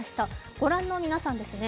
ご覧の皆さんですね。